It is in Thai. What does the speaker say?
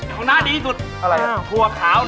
ทูน่าดีจุดถั่วขาวอะไรนะ